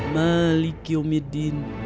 malik yom yudin